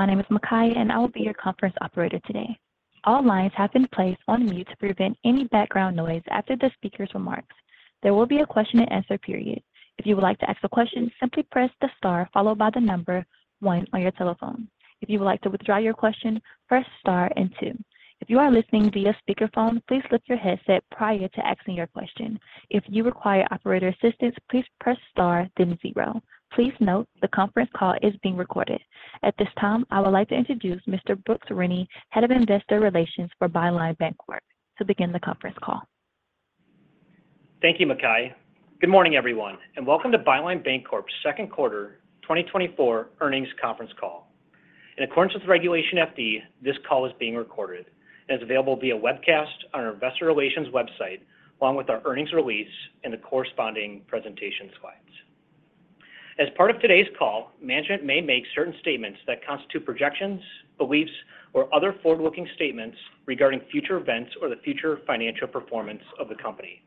My name is Makaya, and I will be your conference operator today. All lines have been placed on mute to prevent any background noise. After the speaker's remarks, there will be a question and answer period. If you would like to ask a question, simply press the star followed by the number one on your telephone. If you would like to withdraw your question, press star and two. If you are listening via speakerphone, please lift your headset prior to asking your question. If you require operator assistance, please press star then zero. Please note, the conference call is being recorded. At this time, I would like to introduce Mr. Brooks Rennie, Head of Investor Relations for Byline Bancorp, to begin the conference call. Thank you, Makaya. Good morning, everyone, and welcome to Byline Bancorp's second quarter 2024 earnings conference call. In accordance with Regulation FD, this call is being recorded and is available via webcast on our investor relations website, along with our earnings release and the corresponding presentation slides. As part of today's call, management may make certain statements that constitute projections, beliefs, or other forward-looking statements regarding future events or the future financial performance of the company.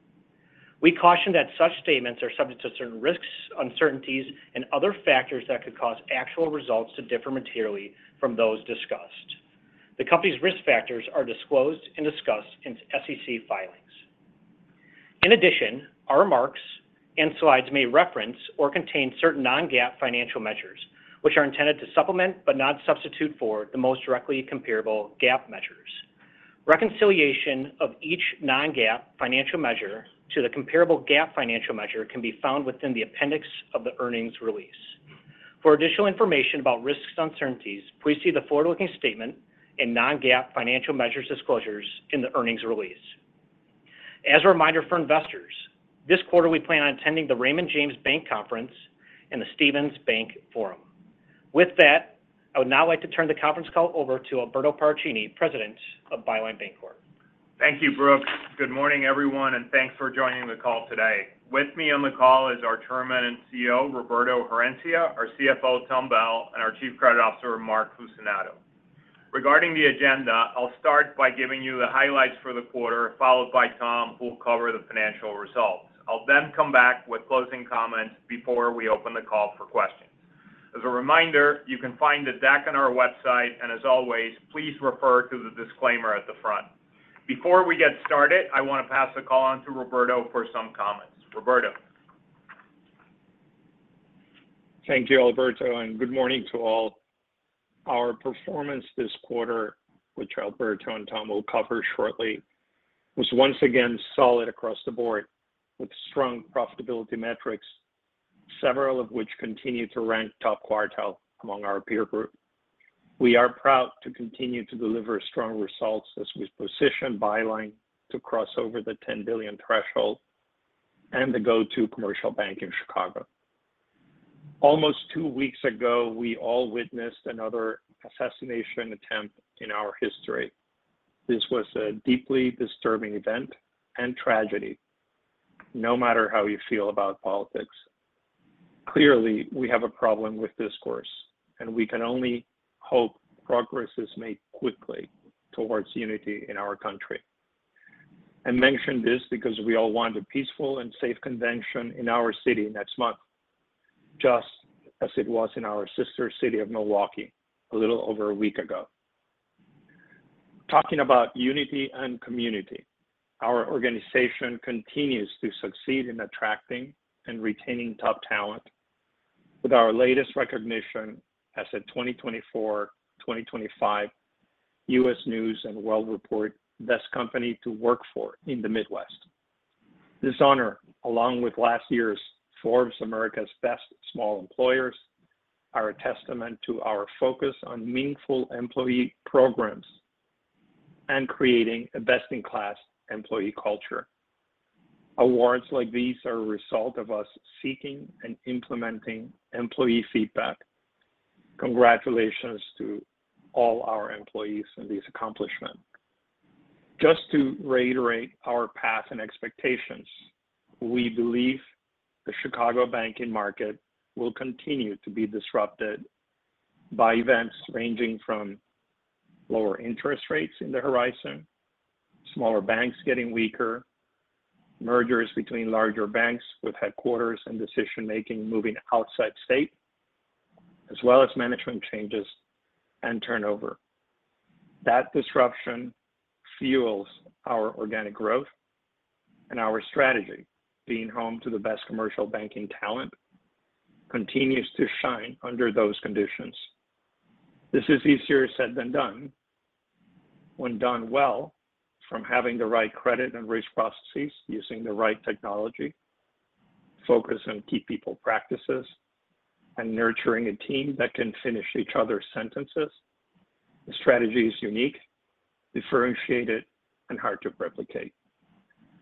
We caution that such statements are subject to certain risks, uncertainties, and other factors that could cause actual results to differ materially from those discussed. The company's risk factors are disclosed and discussed in its SEC filings. In addition, our remarks and slides may reference or contain certain non-GAAP financial measures, which are intended to supplement, but not substitute for, the most directly comparable GAAP measures. Reconciliation of each non-GAAP financial measure to the comparable GAAP financial measure can be found within the appendix of the earnings release. For additional information about risks and uncertainties, please see the forward-looking statement and non-GAAP financial measures disclosures in the earnings release. As a reminder for investors, this quarter we plan on attending the Raymond James Bank Conference and the Stephens Bank Forum. With that, I would now like to turn the conference call over to Alberto Paracchini, President of Byline Bancorp. Thank you, Brooks. Good morning, everyone, and thanks for joining the call today. With me on the call is our Chairman and CEO, Roberto Herencia, our CFO, Tom Bell, and our Chief Credit Officer, Mark Fucinato. Regarding the agenda, I'll start by giving you the highlights for the quarter, followed by Tom, who will cover the financial results. I'll then come back with closing comments before we open the call for questions. As a reminder, you can find the deck on our website, and as always, please refer to the disclaimer at the front. Before we get started, I want to pass the call on to Roberto for some comments. Roberto? Thank you, Alberto, and good morning to all. Our performance this quarter, which Alberto and Tom will cover shortly, was once again solid across the board, with strong profitability metrics, several of which continued to rank top quartile among our peer group. We are proud to continue to deliver strong results as we position Byline to cross over the $10 billion threshold and the go-to commercial bank in Chicago. Almost two weeks ago, we all witnessed another assassination attempt in our history. This was a deeply disturbing event and tragedy, no matter how you feel about politics. Clearly, we have a problem with this course, and we can only hope progress is made quickly towards unity in our country. I mention this because we all want a peaceful and safe convention in our city next month, just as it was in our sister city of Milwaukee a little over a week ago. Talking about unity and community, our organization continues to succeed in attracting and retaining top talent with our latest recognition as a 2024/2025 U.S. News & World Report Best Companies to Work For in the Midwest. This honor, along with last year's Forbes America's Best Small Employers, are a testament to our focus on meaningful employee programs and creating a best-in-class employee culture. Awards like these are a result of us seeking and implementing employee feedback. Congratulations to all our employees on this accomplishment. Just to reiterate our path and expectations, we believe the Chicago banking market will continue to be disrupted by events ranging from lower interest rates in the horizon, smaller banks getting weaker, mergers between larger banks with headquarters and decision-making moving outside state, as well as management changes and turnover. That disruption fuels our organic growth and our strategy. Being home to the best commercial banking talent continues to shine under those conditions. This is easier said than done. When done well, from having the right credit and risk processes, using the right technology, focus on key people practices, and nurturing a team that can finish each other's sentences, the strategy is unique, differentiated, and hard to replicate.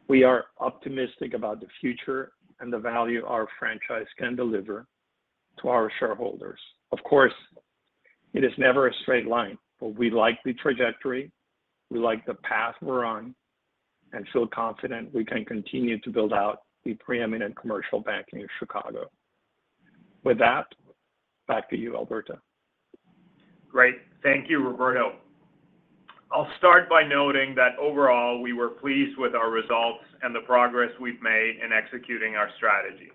We are optimistic about the future and the value our franchise can deliver to our shareholders. Of course, it is never a straight line, but we like the trajectory, we like the path we're on, and feel confident we can continue to build out the preeminent commercial banking in Chicago. With that, back to you, Alberto. Great. Thank you, Roberto. I'll start by noting that overall, we were pleased with our results and the progress we've made in executing our strategy.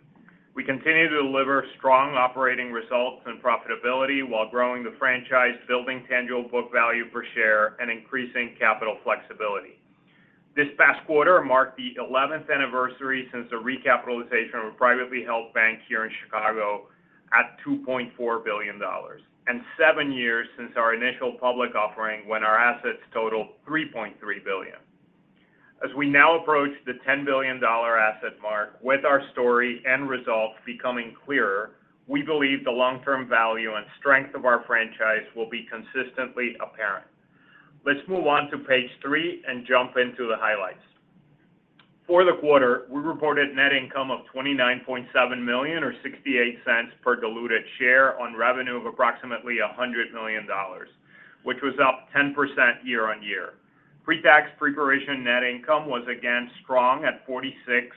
We continue to deliver strong operating results and profitability while growing the franchise, building tangible book value per share, and increasing capital flexibility. This past quarter marked the eleventh anniversary since the recapitalization of a privately held bank here in Chicago at $2.4 billion, and seven years since our initial public offering, when our assets totaled $3.3 billion. As we now approach the $10 billion asset mark with our story and results becoming clearer, we believe the long-term value and strength of our franchise will be consistently apparent. Let's move on to page three and jump into the highlights. For the quarter, we reported net income of $29.7 million, or $0.68 per diluted share on revenue of approximately $100 million, which was up 10% year-on-year. Pre-tax, pre-provision net income was again strong at $46.2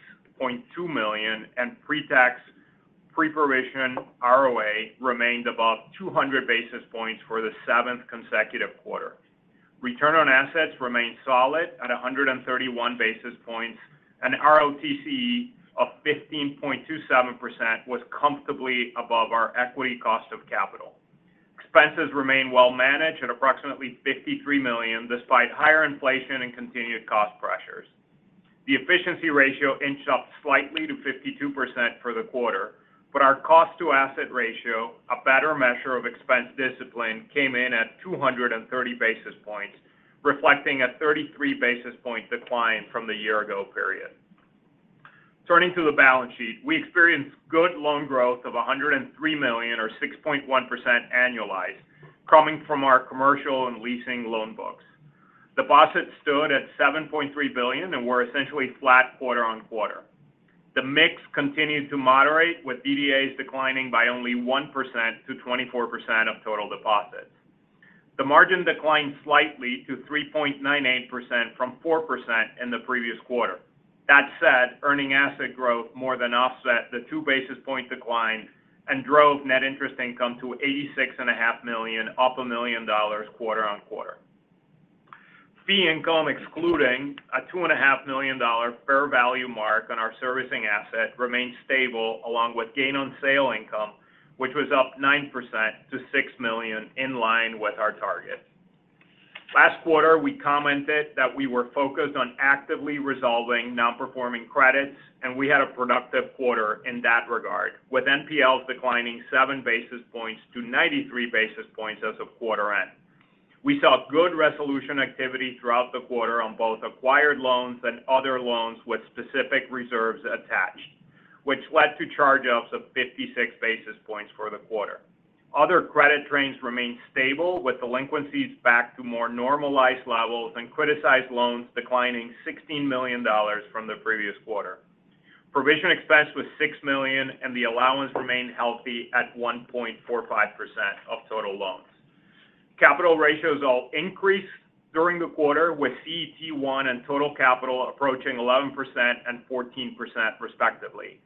million, and pre-tax pre-provision ROA remained above 200 basis points for the seventh consecutive quarter. Return on assets remained solid at 131 basis points, and ROTCE of 15.27% was comfortably above our equity cost of capital. Expenses remain well managed at approximately $53 million, despite higher inflation and continued cost pressures. The efficiency ratio inched up slightly to 52% for the quarter, but our cost to asset ratio, a better measure of expense discipline, came in at 230 basis points, reflecting a 33 basis point decline from the year ago period. Turning to the balance sheet, we experienced good loan growth of $103 million or 6.1% annualized, coming from our commercial and leasing loan books. Deposits stood at $7.3 billion and were essentially flat quarter-over-quarter. The mix continued to moderate, with DDAs declining by only 1% to 24% of total deposits. The margin declined slightly to 3.98% from 4% in the previous quarter. That said, earning asset growth more than offset the two basis point decline and drove net interest income to $86.5 million, up $1 million quarter-over-quarter. Fee income, excluding a $2.5 million fair value mark on our servicing asset, remained stable, along with gain on sale income, which was up 9% to $6 million, in line with our target. Last quarter, we commented that we were focused on actively resolving non-performing credits, and we had a productive quarter in that regard, with NPLs declining 7 basis points to 93 basis points as of quarter end. We saw good resolution activity throughout the quarter on both acquired loans and other loans with specific reserves attached, which led to charge-offs of 56 basis points for the quarter. Other credit trends remained stable, with delinquencies back to more normalized levels and criticized loans declining $16 million from the previous quarter. Provision expense was $6 million, and the allowance remained healthy at 1.45% of total loans. Capital ratios all increased during the quarter, with CET1 and total capital approaching 11% and 14% respectively.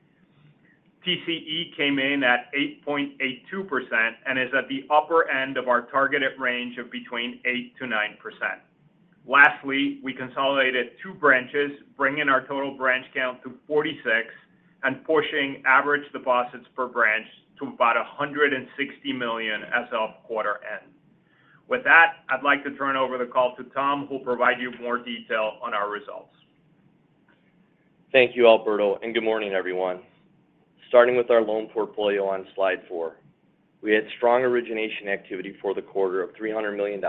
TCE came in at 8.82% and is at the upper end of our targeted range of between 8%-9%. Lastly, we consolidated two branches, bringing our total branch count to 46 and pushing average deposits per branch to about $160 million as of quarter end. With that, I'd like to turn over the call to Tom, who will provide you more detail on our results. Thank you, Alberto, and good morning, everyone. Starting with our loan portfolio on slide four, we had strong origination activity for the quarter of $300 million,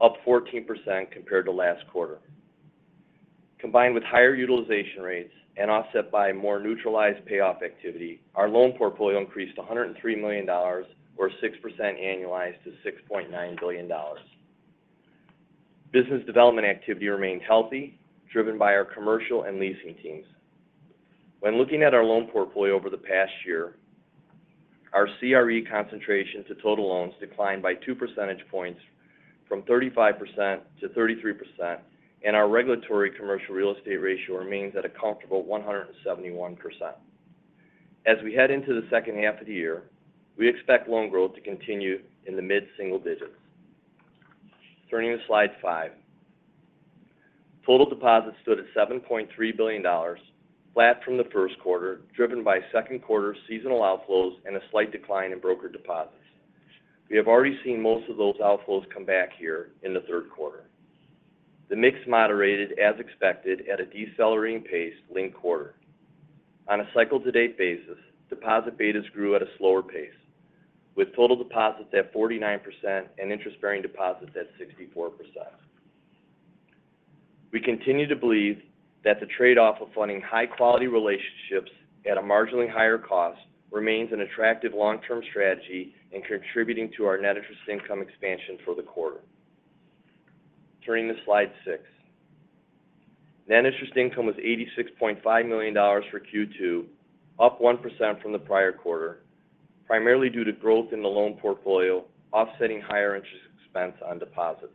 up 14% compared to last quarter. Combined with higher utilization rates and offset by more neutralized payoff activity, our loan portfolio increased to $103 million or 6% annualized to $6.9 billion. Business development activity remained healthy, driven by our commercial and leasing teams. When looking at our loan portfolio over the past year, our CRE concentration to total loans declined by two percentage points from 35% to 33%, and our regulatory commercial real estate ratio remains at a comfortable 171%. As we head into the second half of the year, we expect loan growth to continue in the mid-single digits. Turning to slide five. Total deposits stood at $7.3 billion, flat from the first quarter, driven by second quarter seasonal outflows and a slight decline in broker deposits. We have already seen most of those outflows come back here in the third quarter. The mix moderated as expected at a decelerating pace linked quarter. On a cycle-to-date basis, deposit betas grew at a slower pace, with total deposits at 49% and interest-bearing deposits at 64%. We continue to believe that the trade-off of funding high-quality relationships at a marginally higher cost remains an attractive long-term strategy in contributing to our net interest income expansion for the quarter. Turning to slide six. Net interest income was $86.5 million for Q2, up 1% from the prior quarter, primarily due to growth in the loan portfolio, offsetting higher interest expense on deposits....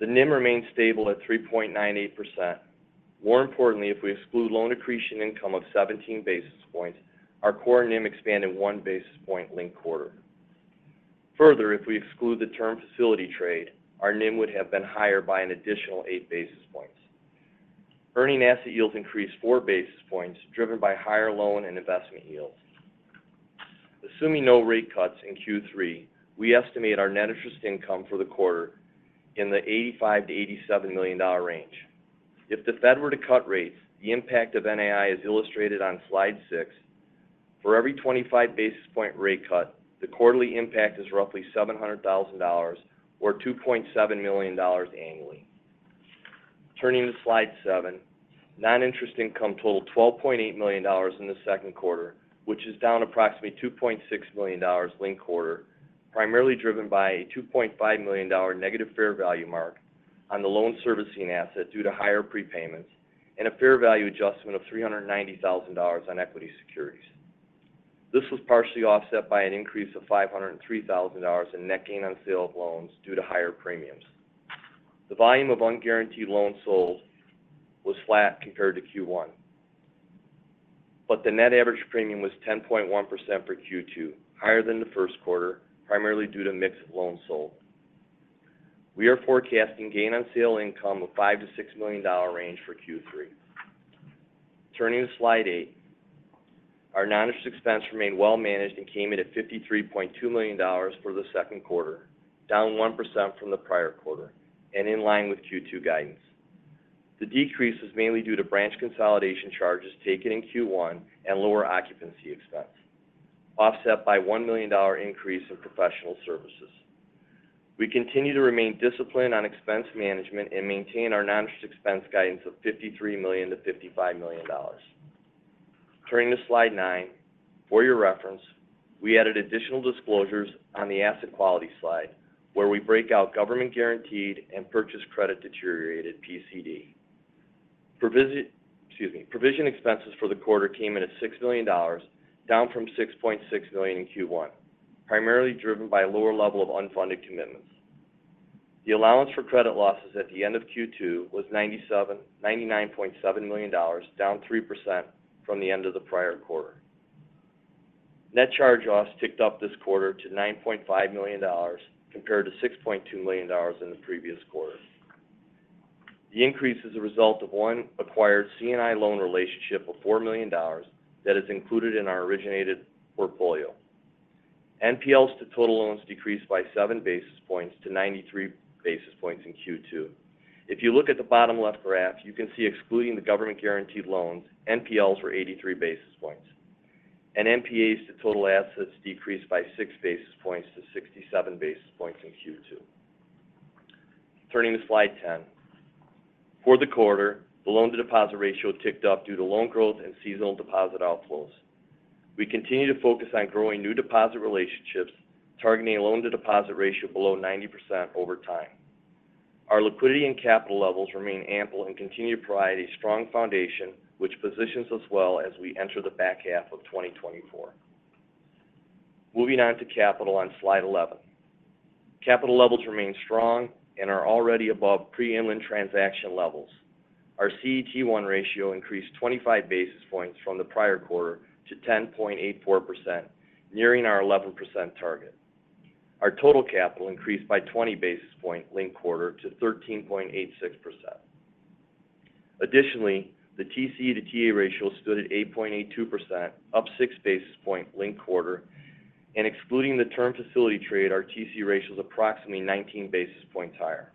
The NIM remained stable at 3.98%. More importantly, if we exclude loan accretion income of 17 basis points, our core NIM expanded 1 basis point linked quarter. Further, if we exclude the term facility trade, our NIM would have been higher by an additional 8 basis points. Earning asset yields increased 4 basis points, driven by higher loan and investment yields. Assuming no rate cuts in Q3, we estimate our net interest income for the quarter in the $85 million-$87 million range. If the Fed were to cut rates, the impact of NII is illustrated on slide six. For every 25 basis point rate cut, the quarterly impact is roughly $700,000 or $2.7 million annually. Turning to slide seven, non-interest income totaled $12.8 million in the second quarter, which is down approximately $2.6 million linked quarter, primarily driven by a $2.5 million negative fair value mark on the loan servicing asset due to higher prepayments and a fair value adjustment of $390,000 on equity securities. This was partially offset by an increase of $503,000 in net gain on sale of loans due to higher premiums. The volume of unguaranteed loans sold was flat compared to Q1, but the net average premium was 10.1% for Q2, higher than the first quarter, primarily due to mix of loans sold. We are forecasting gain on sale income of $5 million-$6 million range for Q3. Turning to slide eight, our non-interest expense remained well managed and came in at $53.2 million for the second quarter, down 1% from the prior quarter and in line with Q2 guidance. The decrease was mainly due to branch consolidation charges taken in Q1 and lower occupancy expense, offset by $1 million increase in professional services. We continue to remain disciplined on expense management and maintain our non-interest expense guidance of $53 million-$55 million. Turning to slide nine, for your reference, we added additional disclosures on the asset quality slide, where we break out government-guaranteed and Purchased Credit Deteriorated PCD. Excuse me. Provision expenses for the quarter came in at $6 million, down from $6.6 million in Q1, primarily driven by a lower level of unfunded commitments. The allowance for credit losses at the end of Q2 was $99.7 million, down 3% from the end of the prior quarter. Net charge-offs ticked up this quarter to $9.5 million, compared to $6.2 million in the previous quarter. The increase is a result of one acquired C&I loan relationship of $4 million that is included in our originated portfolio. NPLs to total loans decreased by 7 basis points to 93 basis points in Q2. If you look at the bottom left graph, you can see excluding the government-guaranteed loans, NPLs were 83 basis points, and NPAs to total assets decreased by 6 basis points to 67 basis points in Q2. Turning to slide 10. For the quarter, the loan-to-deposit ratio ticked up due to loan growth and seasonal deposit outflows. We continue to focus on growing new deposit relationships, targeting a loan-to-deposit ratio below 90% over time. Our liquidity and capital levels remain ample and continue to provide a strong foundation, which positions us well as we enter the back half of 2024. Moving on to capital on slide 11. Capital levels remain strong and are already above pre-Inland transaction levels. Our CET1 ratio increased 25 basis points from the prior quarter to 10.84%, nearing our 11% target. Our total capital increased by 20 basis points linked quarter to 13.86%. Additionally, the TCE to TA ratio stood at 8.82%, up 6 basis points linked quarter, and excluding the term facility trade, our TCE ratio is approximately 19 basis points higher.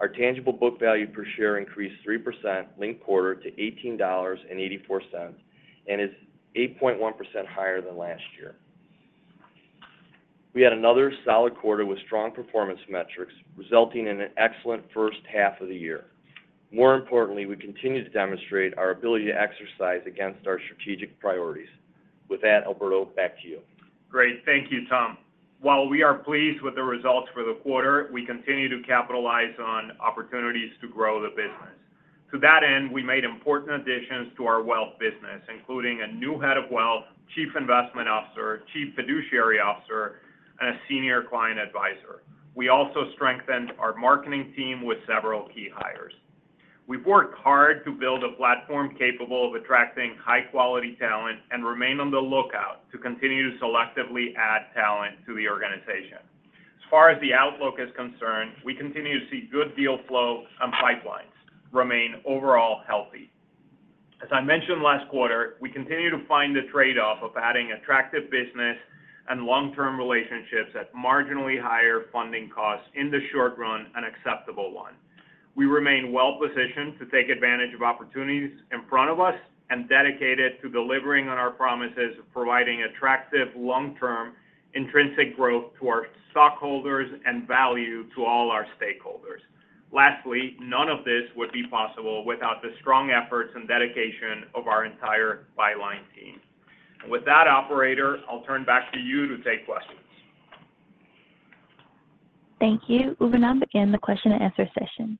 Our tangible book value per share increased 3% linked quarter to $18.84, and is 8.1% higher than last year. We had another solid quarter with strong performance metrics, resulting in an excellent first half of the year. More importantly, we continue to demonstrate our ability to exercise against our strategic priorities. With that, Alberto, back to you. Great. Thank you, Tom. While we are pleased with the results for the quarter, we continue to capitalize on opportunities to grow the business. To that end, Byline, we made important additions to our wealth business, including a new Head of Wealth, Chief Investment Officer, Chief Fiduciary Officer, and a senior client advisor. We also strengthened our marketing team with several key hires. We've worked hard to build a platform capable of attracting high-quality talent and remain on the lookout to continue to selectively add talent to the organization. As far as the outlook is concerned, we continue to see good deal flow and pipelines remain overall healthy. As I mentioned last quarter, we continue to find the trade-off of adding attractive business and long-term relationships at marginally higher funding costs in the short run an acceptable one. We remain well-positioned to take advantage of opportunities in front of us and dedicated to delivering on our promises of providing attractive, long-term intrinsic growth to our stockholders and value to all our stakeholders. Lastly, none of this would be possible without the strong efforts and dedication of our entire Byline team. With that, operator, I'll turn back to you to take questions. Thank you. We will now begin the question and answer session.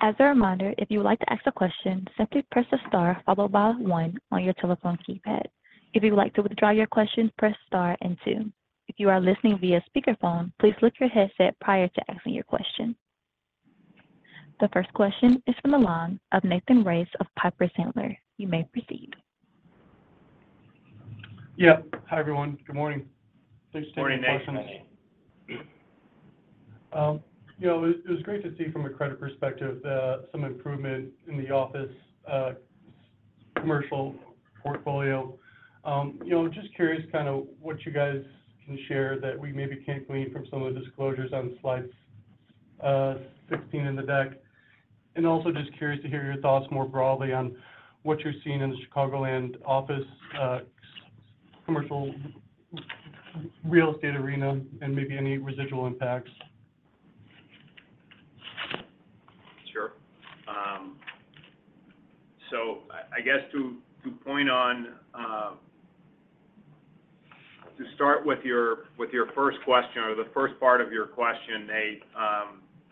...As a reminder, if you would like to ask a question, simply press the star followed by one on your telephone keypad. If you would like to withdraw your question, press star and two. If you are listening via speakerphone, please lift your headset prior to asking your question. The first question is from the line of Nathan Race of Piper Sandler. You may proceed. Yeah. Hi, everyone. Good morning. Good morning, Nathan. You know, it, it was great to see from a credit perspective, some improvement in the office, commercial portfolio. You know, just curious kind of what you guys can share that we maybe can't glean from some of the disclosures on slides, 16 in the deck. And also just curious to hear your thoughts more broadly on what you're seeing in the Chicagoland office, commercial real estate arena and maybe any residual impacts. Sure. So I guess to point on—to start with your first question or the first part of your question, Nate,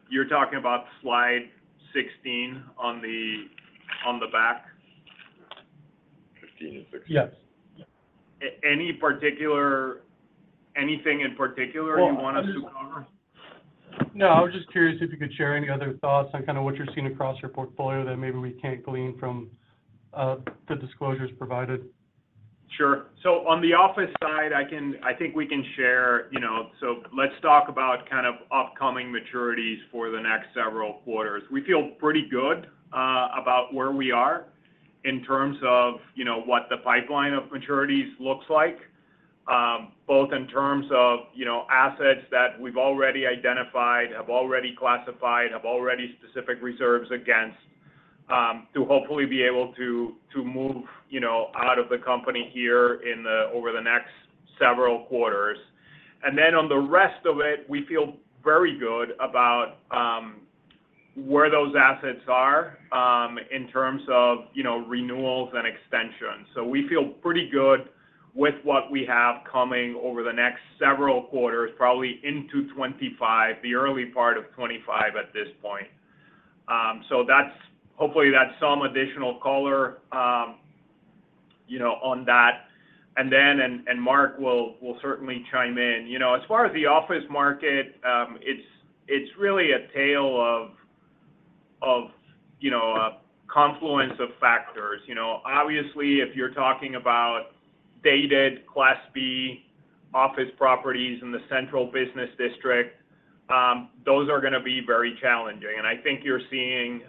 you're talking about slide 16 on the back? 15 and 16. Yes. Anything in particular you want us to cover? No, I was just curious if you could share any other thoughts on kind of what you're seeing across your portfolio that maybe we can't glean from the disclosures provided? Sure. So on the office side, I think we can share, you know, so let's talk about kind of upcoming maturities for the next several quarters. We feel pretty good about where we are in terms of, you know, what the pipeline of maturities looks like, both in terms of, you know, assets that we've already identified, have already classified, have already specific reserves against, to hopefully be able to, to move, you know, out of the company here in the over the next several quarters. Then on the rest of it, we feel very good about where those assets are in terms of, you know, renewals and extensions. So we feel pretty good with what we have coming over the next several quarters, probably into 2025, the early part of 2025 at this point. So that's, hopefully, that's some additional color, you know, on that. And then Mark will certainly chime in. You know, as far as the office market, it's really a tale of, you know, a confluence of factors. You know, obviously, if you're talking about dated Class B office properties in the central business district, those are going to be very challenging. And I think you're seeing,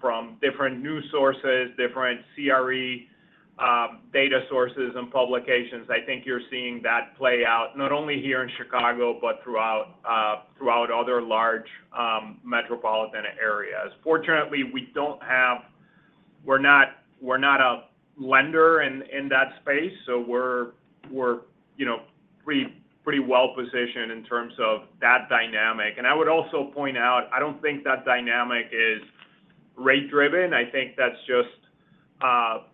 from different news sources, different CRE, data sources and publications, I think you're seeing that play out not only here in Chicago, but throughout, throughout other large, metropolitan areas. Fortunately, we don't have. We're not a lender in that space, so we're, you know, pretty well-positioned in terms of that dynamic. And I would also point out, I don't think that dynamic is rate-driven. I think that's just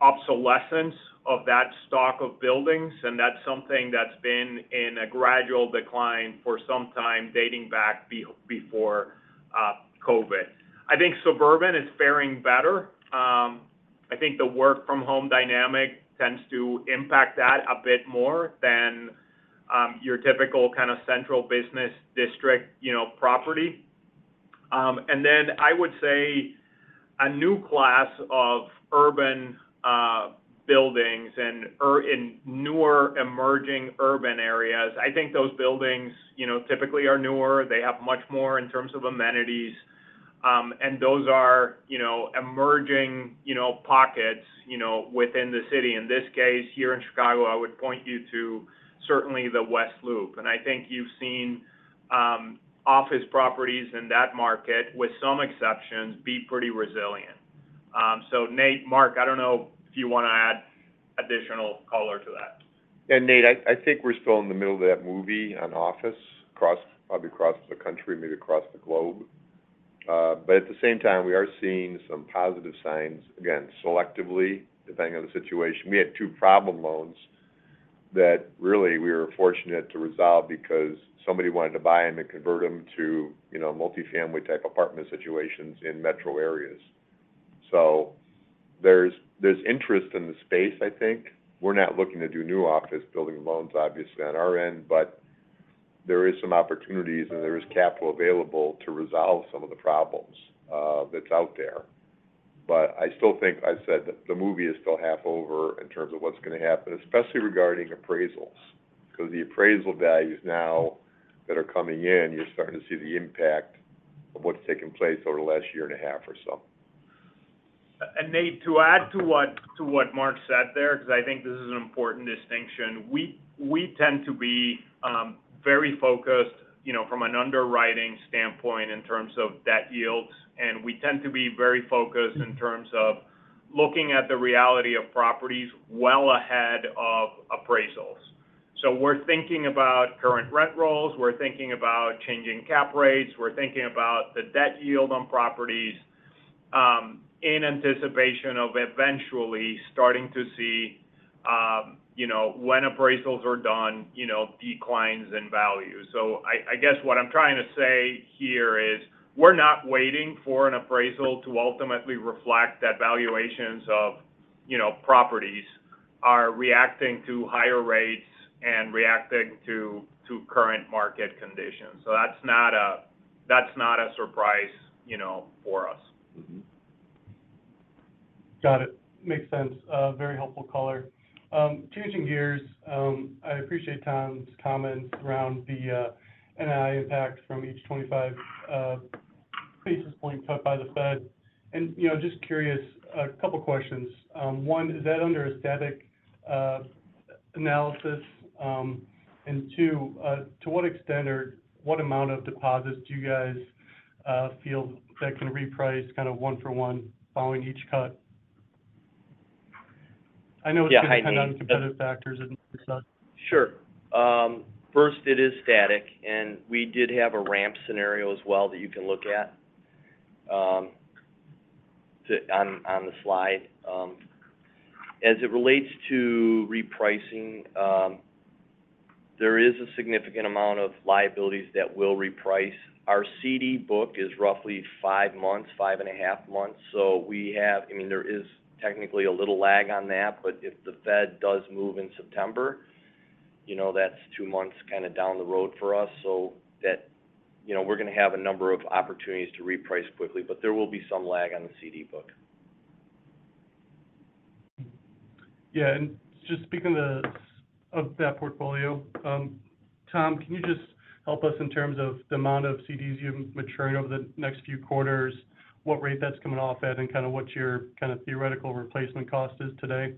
obsolescence of that stock of buildings, and that's something that's been in a gradual decline for some time, dating back before COVID. I think suburban is faring better. I think the work-from-home dynamic tends to impact that a bit more than your typical kind of central business district, you know, property. And then I would say a new class of urban buildings and in newer, emerging urban areas, I think those buildings, you know, typically are newer. They have much more in terms of amenities, and those are, you know, emerging, you know, pockets, you know, within the city. In this case, here in Chicago, I would point you to certainly the West Loop. And I think you've seen office properties in that market, with some exceptions, be pretty resilient. So, Nate, Mark, I don't know if you want to add additional color to that. Nate, I think we're still in the middle of that movie on office across, probably across the country, maybe across the globe. But at the same time, we are seeing some positive signs, again, selectively, depending on the situation. We had two problem loans that really we were fortunate to resolve because somebody wanted to buy them and convert them to, you know, multifamily-type apartment situations in metro areas. So there's, there's interest in the space, I think. We're not looking to do new office building loans, obviously, on our end, but there is some opportunities, and there is capital available to resolve some of the problems that's out there. But I still think I said the movie is still half over in terms of what's going to happen, especially regarding appraisals, because the appraisal values now that are coming in, you're starting to see the impact of what's taken place over the last year and a half or so. And Nate, to add to what Mark said there, because I think this is an important distinction, we tend to be very focused, you know, from an underwriting standpoint in terms of debt yields, and we tend to be very focused in terms of looking at the reality of properties well ahead of appraisals. So we're thinking about current rent rolls, we're thinking about changing cap rates, we're thinking about the debt yield on property in anticipation of eventually starting to see, you know, when appraisals are done, you know, declines in value. So I guess what I'm trying to say here is, we're not waiting for an appraisal to ultimately reflect that valuations of, you know, properties are reacting to higher rates and reacting to current market conditions. So that's not a surprise, you know, for us. Mm-hmm. Got it. Makes sense. Very helpful color. Changing gears, I appreciate Tom's comments around the NII impact from each 25 basis point cut by the Fed. You know, just curious, a couple questions. One, is that under a static analysis? And two, to what extent or what amount of deposits do you guys feel that can reprice kind of one for one following each cut? I know it's- Yeah, hi, Nate. Gonna depend on competitive factors and such. Sure. First, it is static, and we did have a ramp scenario as well that you can look at on the slide. As it relates to repricing, there is a significant amount of liabilities that will reprice. Our CD book is roughly five months, five and a half months, so we have I mean, there is technically a little lag on that, but if the Fed does move in September, you know, that's two months kind of down the road for us. So that you know, we're going to have a number of opportunities to reprice quickly, but there will be some lag on the CD book. Yeah, and just speaking to of that portfolio, Tom, can you just help us in terms of the amount of CDs you have maturing over the next few quarters, what rate that's coming off at, and kind of what your kind of theoretical replacement cost is today?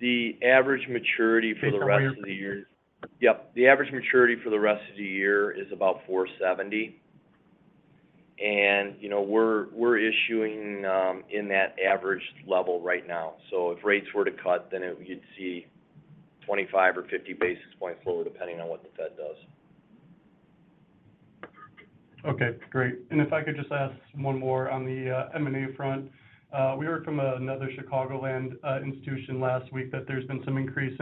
The average maturity for the rest of the year- Can you come on your- Yep. The average maturity for the rest of the year is about 470. And, you know, we're issuing in that average level right now. So if rates were to cut, then it—you'd see 25 or 50 basis points lower, depending on what the Fed does. Okay, great. And if I could just ask one more on the M&A front. We heard from another Chicagoland institution last week that there's been some increase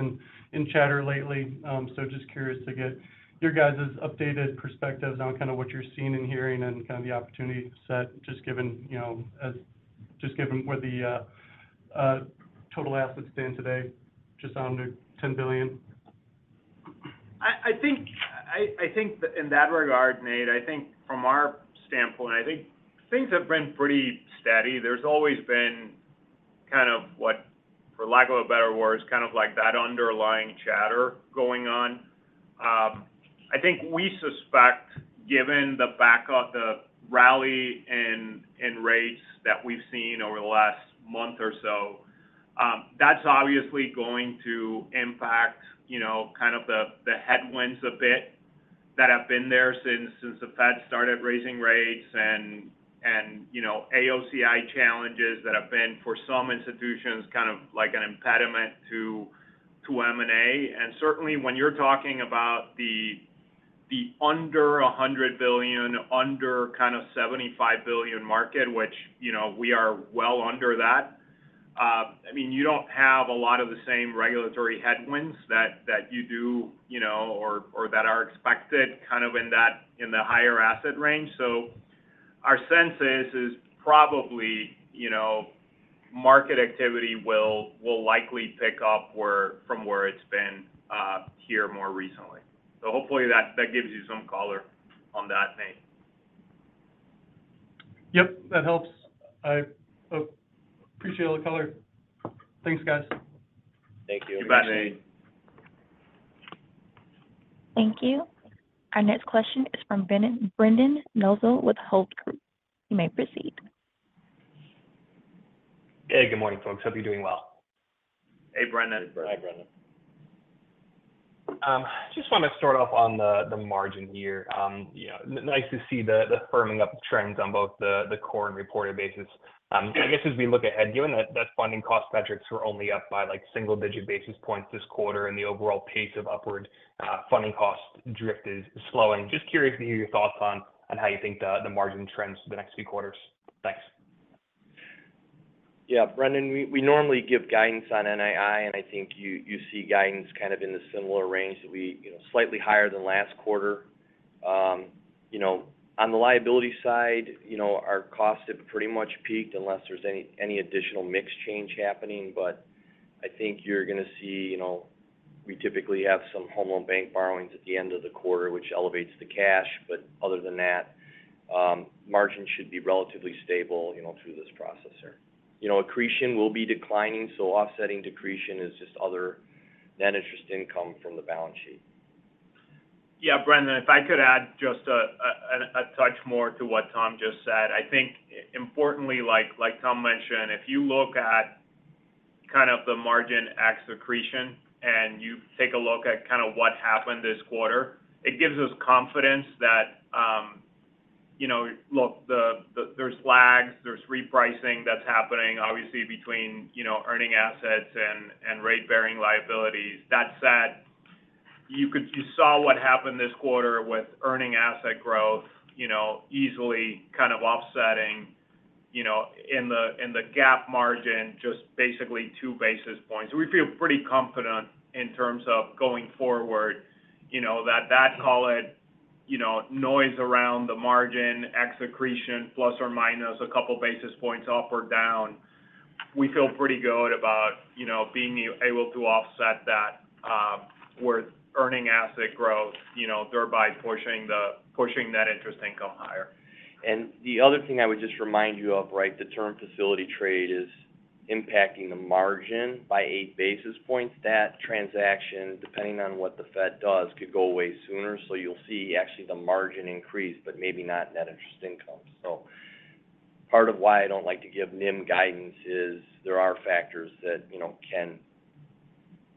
in chatter lately. So just curious to get your guys' updated perspectives on kind of what you're seeing and hearing and kind of the opportunity set, just given, you know, just given where the total assets stand today, just under $10 billion. I think that in that regard, Nate, I think from our standpoint, I think things have been pretty steady. There's always been kind of what, for lack of a better word, is kind of like that underlying chatter going on. I think we suspect, given the back of the rally in rates that we've seen over the last month or so, that's obviously going to impact, you know, kind of the headwinds a bit that have been there since the Fed started raising rates and, you know, AOCI challenges that have been, for some institutions, kind of like an impediment to M&A. And certainly, when you're talking about the under $100 billion, under kind of $75 billion market, which, you know, we are well under that, I mean, you don't have a lot of the same regulatory headwinds that you do, you know, or that are expected kind of in that in the higher asset range. So our sense is probably, you know, market activity will likely pick up from where it's been here more recently. So hopefully that gives you some color on that, Nate. Yep, that helps. I appreciate all the color. Thanks, guys. Thank you. You bet. Thank you. Our next question is from Brendan Nosal with Hovde Group. You may proceed. Hey, good morning, folks. Hope you're doing well. Hey, Brendan. Hey, Brendan. Just wanted to start off on the margin here. You know, nice to see the firming up trends on both the core and reported basis. I guess as we look ahead, given that funding cost metrics were only up by, like, single-digit basis points this quarter, and the overall pace of upward funding cost drift is slowing, just curious to hear your thoughts on how you think the margin trends for the next few quarters. Thanks. Yeah, Brendan, we normally give guidance on NII, and I think you see guidance kind of in the similar range that we, you know, slightly higher than last quarter. You know, on the liability side, you know, our costs have pretty much peaked unless there's any additional mix change happening. But I think you're going to see, you know, we typically have some Home Loan Bank borrowings at the end of the quarter, which elevates the cash. But other than that, margin should be relatively stable, you know, through this process here. You know, accretion will be declining, so offsetting accretion is just other net interest income from the balance sheet. Yeah, Brendan, if I could add just a touch more to what Tom just said. I think importantly, like Tom mentioned, if you look at kind of the margin ex accretion, and you take a look at kind of what happened this quarter, it gives us confidence that, you know, look, there's lags, there's repricing that's happening obviously between, you know, earning assets and rate-bearing liabilities. That said, you saw what happened this quarter with earning asset growth, you know, easily kind of offsetting, you know, in the gap margin, just basically two basis points. We feel pretty confident in terms of going forward, you know, that call it, you know, noise around the margin, X accretion plus or minus a couple basis points off or down. We feel pretty good about, you know, being able to offset that, with earning asset growth, you know, thereby pushing the, pushing that interest income higher. And the other thing I would just remind you of, right, the term facility trade is impacting the margin by 8 basis points. That transaction, depending on what the Fed does, could go away sooner. So you'll see actually the margin increase, but maybe not net interest income. So part of why I don't like to give NIM guidance is there are factors that, you know, can,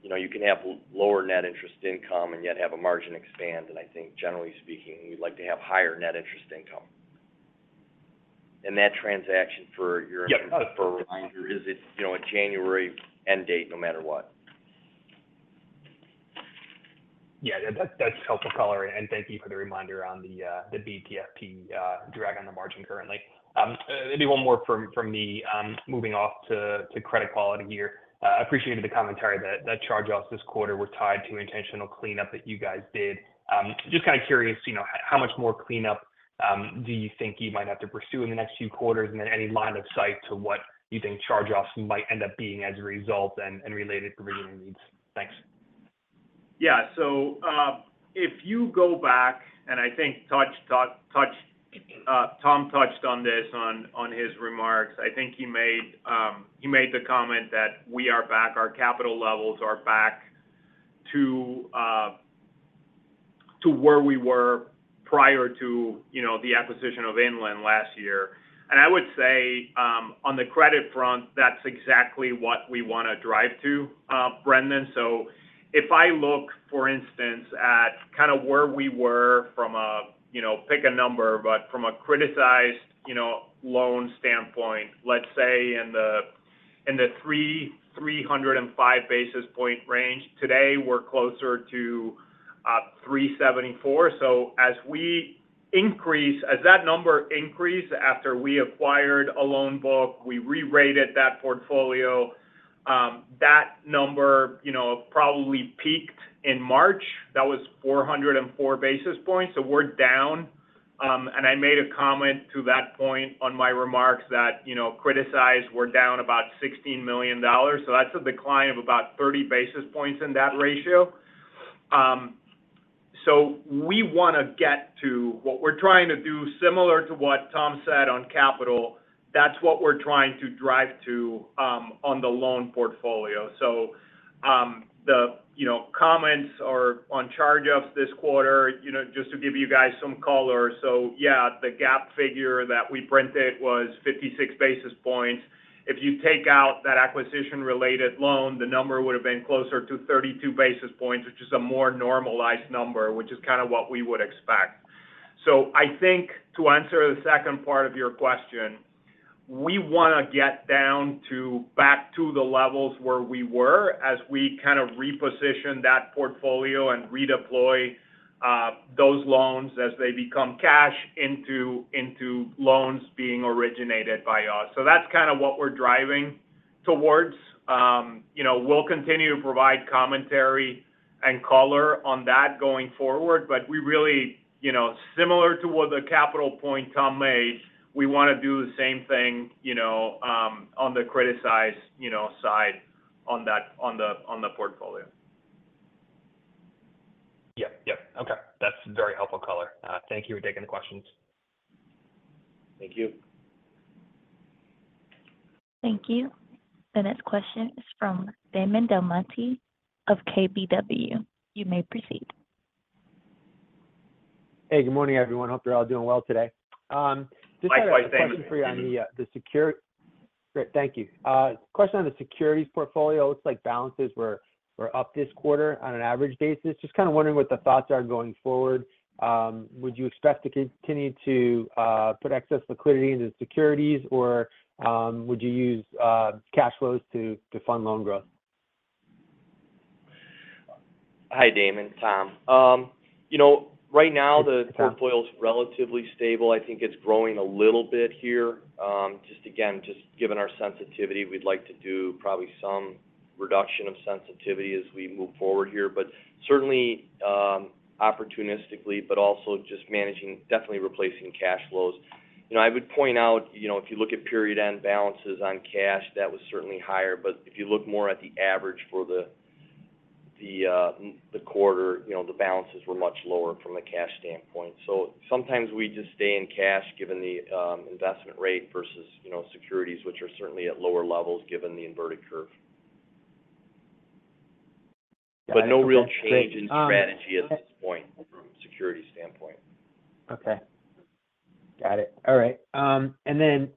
you know, you can have lower net interest income and yet have a margin expand. And I think generally speaking, we'd like to have higher net interest income. And that transaction for your- Yeah. For a reminder, is it, you know, a January end date no matter what? Yeah, that, that's helpful color, and thank you for the reminder on the BTFP drag on the margin currently. Maybe one more from me, moving off to credit quality here. Appreciated the commentary that the charge-offs this quarter were tied to intentional cleanup that you guys did. Just kind of curious, you know, how much more cleanup do you think you might have to pursue in the next few quarters? And then any line of sight to what you think charge-offs might end up being as a result and related provisioning needs? Thanks. Yeah. So, if you go back, and I think Tom talked. Tom touched on this on his remarks. I think he made the comment that we are back, our capital levels are back to where we were prior to, you know, the acquisition of Inland last year. And I would say on the credit front, that's exactly what we want to drive to, Brendan. So if I look, for instance, at kind of where we were from a, you know, pick a number, but from a criticized loan standpoint, let's say in the 305 basis point range, today, we're closer to 374. So as that number increased after we acquired a loan book, we re-rated that portfolio, that number, you know, probably peaked in March. That was 404 basis points, so we're down. And I made a comment to that point on my remarks that, you know, credit costs were down about $16 million, so that's a decline of about 30 basis points in that ratio. So we want to get to what we're trying to do, similar to what Tom said on capital, that's what we're trying to drive to, on the loan portfolio. So, the, you know, comments are on charge-offs this quarter, you know, just to give you guys some color. So yeah, the gap figure that we printed was 56 basis points. If you take out that acquisition-related loan, the number would have been closer to 32 basis points, which is a more normalized number, which is kind of what we would expect. So I think to answer the second part of your question, we want to get down to back to the levels where we were as we kind of reposition that portfolio and redeploy those loans as they become cash into loans being originated by us. So that's kind of what we're driving towards. You know, we'll continue to provide commentary and color on that going forward, but we really, you know, similar to what the capital point Tom made, we want to do the same thing, you know, on the criticized side on that portfolio. Yep. Yep. Okay. That's very helpful color. Thank you for taking the questions. Thank you. Thank you. The next question is from Damon Del Monte of KBW. You may proceed. Hey, good morning, everyone. Hope you're all doing well today. Likewise. Thank you. Just a question for you on the securities portfolio. It looks like balances were up this quarter on an average basis. Just kind of wondering what the thoughts are going forward. Would you expect to continue to put excess liquidity into securities, or would you use cash flows to fund loan growth? Hi, Damon, Tom. You know, right now the portfolio is relatively stable. I think it's growing a little bit here. Just again, just given our sensitivity, we'd like to do probably some reduction of sensitivity as we move forward here, but certainly, opportunistically, but also just managing, definitely replacing cash flows. You know, I would point out, you know, if you look at period end balances on cash, that was certainly higher. But if you look more at the average for the quarter, you know, the balances were much lower from a cash standpoint. So sometimes we just stay in cash, given the investment rate versus, you know, securities, which are certainly at lower levels given the inverted curve. But no real change in strategy at this point from a security standpoint. Okay. Got it. All right, and then,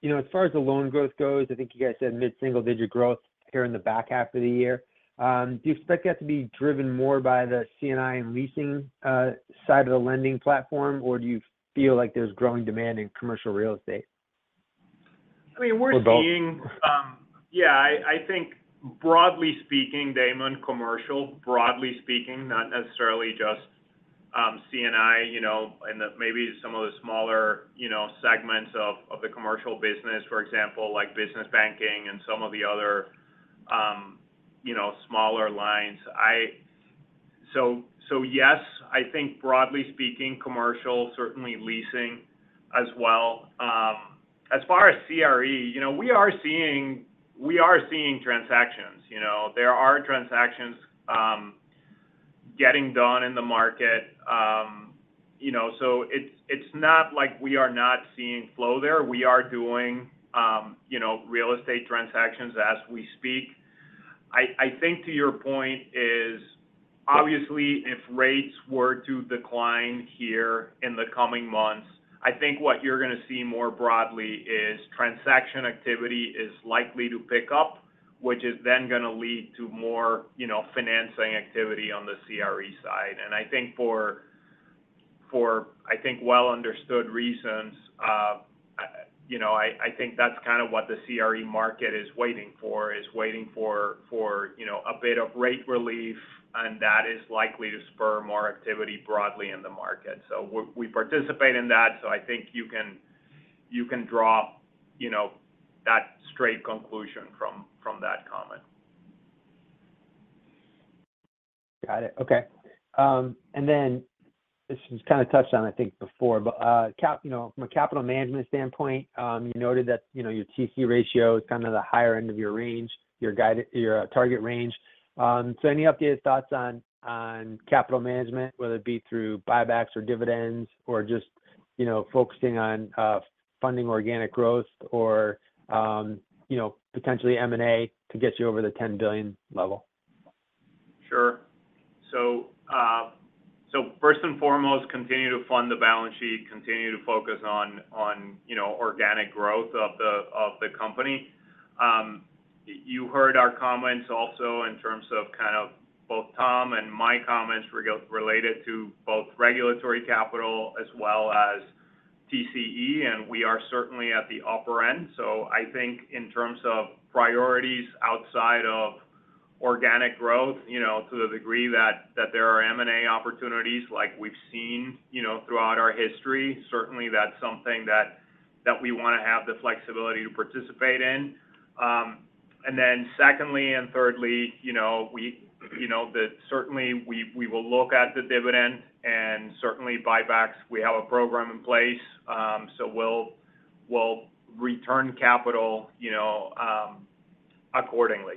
you know, as far as the loan growth goes, I think you guys said mid-single digit growth here in the back half of the year. Do you expect that to be driven more by the C&I and leasing, side of the lending platform, or do you feel like there's growing demand in commercial real estate?... I mean, we're seeing—yeah, I think broadly speaking, Damon, commercial, broadly speaking, not necessarily just C&I, you know, and maybe some of the smaller segments of the commercial business, for example, like business banking and some of the other smaller lines. So yes, I think broadly speaking, commercial, certainly leasing as well. As far as CRE, you know, we are seeing transactions. You know, there are transactions getting done in the market. You know, so it's not like we are not seeing flow there. We are doing real estate transactions as we speak. I think to your point is, obviously, if rates were to decline here in the coming months, I think what you're gonna see more broadly is transaction activity is likely to pick up, which is then gonna lead to more, you know, financing activity on the CRE side. And I think for well-understood reasons, you know, I think that's kind of what the CRE market is waiting for. Waiting for, you know, a bit of rate relief, and that is likely to spur more activity broadly in the market. So we participate in that, so I think you can draw, you know, that straight conclusion from that comment. Got it. Okay. And then this was kinda touched on, I think, before, but, from a capital management standpoint, you noted that, you know, your TCE ratio is kind of the higher end of your range, your target range. So any updated thoughts on capital management, whether it be through buybacks or dividends or just, you know, focusing on funding organic growth or, you know, potentially M&A to get you over the 10 billion level? Sure. So first and foremost, continue to fund the balance sheet, continue to focus on, you know, organic growth of the company. You heard our comments also in terms of kind of both Tom and my comments related to both regulatory capital as well as TCE, and we are certainly at the upper end. So I think in terms of priorities outside of organic growth, you know, to the degree that there are M&A opportunities like we've seen, you know, throughout our history, certainly that's something that we wanna have the flexibility to participate in. And then secondly and thirdly, you know, that certainly we will look at the dividend and certainly buybacks. We have a program in place, so we'll return capital, you know, accordingly.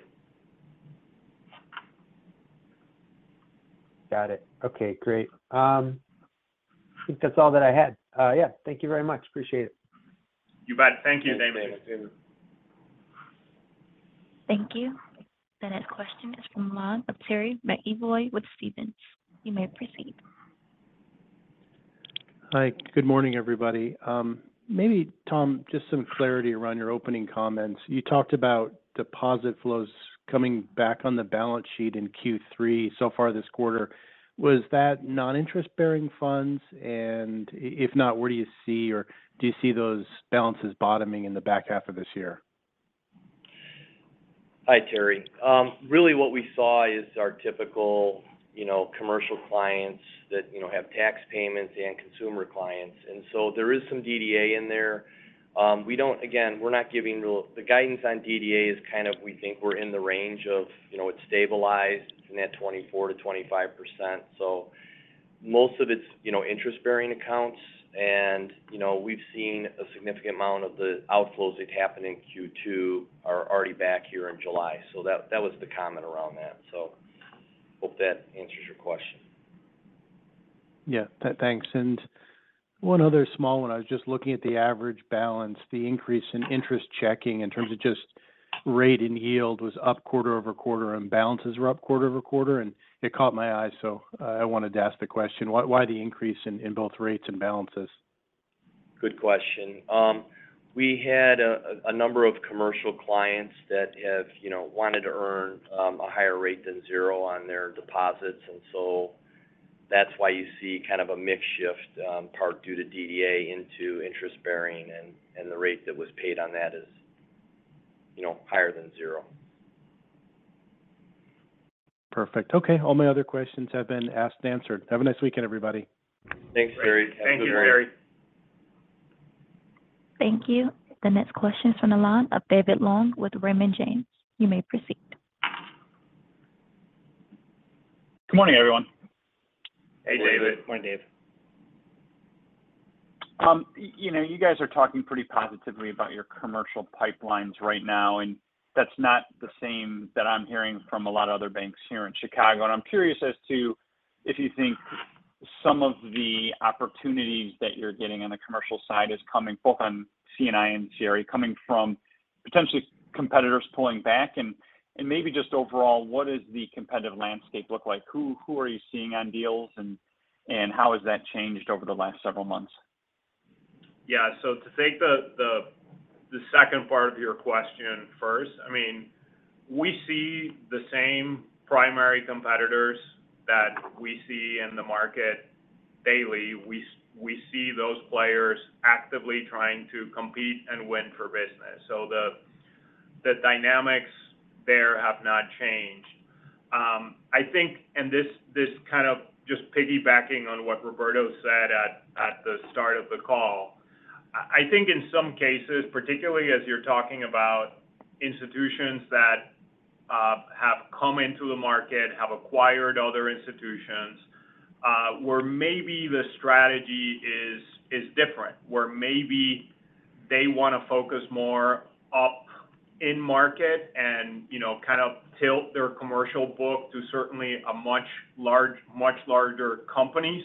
Got it. Okay, great. I think that's all that I had. Yeah, thank you very much. Appreciate it. You bet. Thank you, Damon. Thank you. The next question is from the line of Terry McEvoy with Stephens. You may proceed. Hi, good morning, everybody. Maybe, Tom, just some clarity around your opening comments. You talked about deposit flows coming back on the balance sheet in Q3 so far this quarter. Was that non-interest-bearing funds? If not, where do you see, or do you see those balances bottoming in the back half of this year? Hi, Terry. Really what we saw is our typical, you know, commercial clients that, you know, have tax payments and consumer clients, and so there is some DDA in there. We don't-- again, we're not giving real. The guidance on DDA is kind of, we think we're in the range of, you know, it's stabilized in that 24%-25%. So most of it's, you know, interest-bearing accounts and, you know, we've seen a significant amount of the outflows that happened in Q2 are already back here in July. So that, that was the comment around that. So hope that answers your question. Yeah. Thanks. And one other small one. I was just looking at the average balance, the increase in interest checking in terms of just rate and yield was up quarter-over-quarter, and balances were up quarter-over-quarter, and it caught my eye, so I wanted to ask the question: Why, why the increase in both rates and balances? Good question. We had a number of commercial clients that have, you know, wanted to earn a higher rate than zero on their deposits, and so that's why you see kind of a mix shift, part due to DDA into interest-bearing, and the rate that was paid on that is, you know, higher than zero. Perfect. Okay. All my other questions have been asked and answered. Have a nice weekend, everybody. Thanks, Terry. Thank you, Terry. Thank you. The next question is from the line of David Long with Raymond James. You may proceed. Good morning, everyone. Hey, David. Good morning, David. You know, you guys are talking pretty positively about your commercial pipelines right now, and that's not the same that I'm hearing from a lot of other banks here in Chicago. Maybe just overall, what does the competitive landscape look like? Who are you seeing on deals, and how has that changed over the last several months? Yeah. So to take the second part of your question first, I mean. We see the same primary competitors that we see in the market daily. We see those players actively trying to compete and win for business. So the dynamics there have not changed. I think, and this kind of just piggybacking on what Roberto said at the start of the call, I think in some cases, particularly as you're talking about institutions that have come into the market, have acquired other institutions, where maybe the strategy is different, where maybe they wanna focus more up in market and, you know, kind of tilt their commercial book to certainly a much larger companies.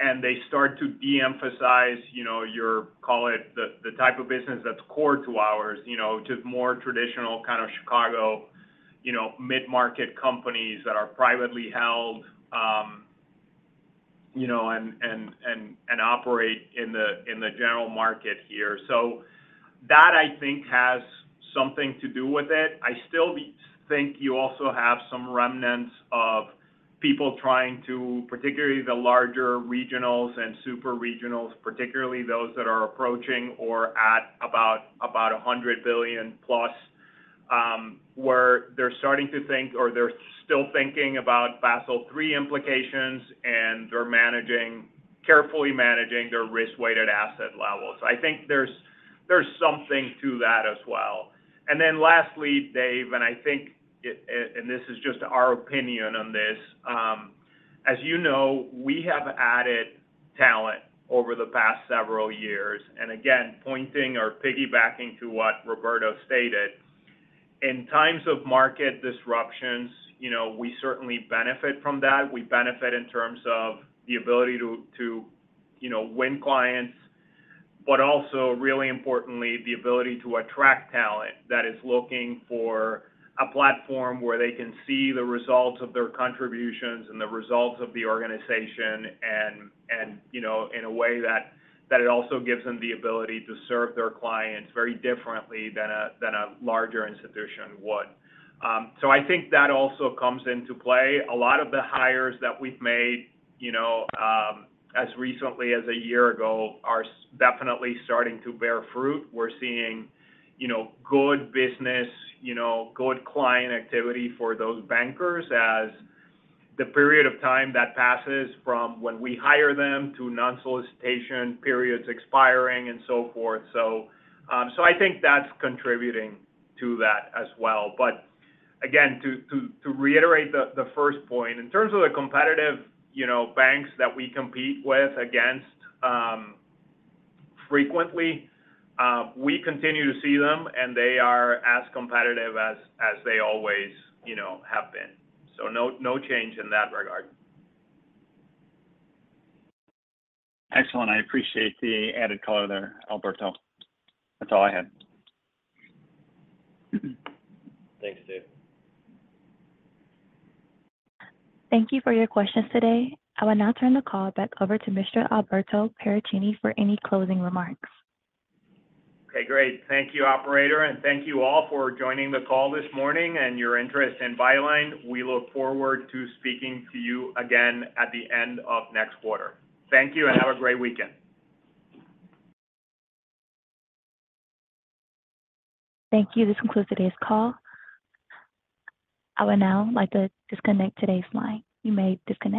And they start to de-emphasize, you know, your, call it, the type of business that's core to ours, you know, to more traditional kind of Chicago, you know, mid-market companies that are privately held, you know, and operate in the general market here. So that, I think, has something to do with it. I still think you also have some remnants of people trying to, particularly the larger regionals and super regionals, particularly those that are approaching or at about 100 billion plus, where they're starting to think or they're still thinking about Basel III implications, and they're managing, carefully managing their risk-weighted asset levels. I think there's something to that as well. And then lastly, David, and I think, and this is just our opinion on this. As you know, we have added talent over the past several years, and again, pointing or piggybacking to what Roberto stated. In times of market disruptions, you know, we certainly benefit from that. We benefit in terms of the ability to win clients, but also, really importantly, the ability to attract talent that is looking for a platform where they can see the results of their contributions and the results of the organization, and you know, in a way that it also gives them the ability to serve their clients very differently than a larger institution would. So I think that also comes into play. A lot of the hires that we've made, you know, as recently as a year ago, are definitely starting to bear fruit. We're seeing, you know, good business, you know, good client activity for those bankers as the period of time that passes from when we hire them to non-solicitation periods expiring and so forth. So, I think that's contributing to that as well. But again, to reiterate the first point, in terms of the competitive, you know, banks that we compete with against, frequently, we continue to see them, and they are as competitive as they always, you know, have been. So no change in that regard. Excellent. I appreciate the added color there, Alberto. That's all I had. Thanks, Dave. Thank you for your questions today. I will now turn the call back over to Mr. Alberto Paracchini for any closing remarks. Okay, great. Thank you, operator, and thank you all for joining the call this morning and your interest in Byline. We look forward to speaking to you again at the end of next quarter. Thank you, and have a great weekend. Thank you. This concludes today's call. I would now like to disconnect today's line. You may disconnect.